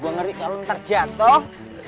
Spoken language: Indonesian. gue ngeri kalau ntar jatuh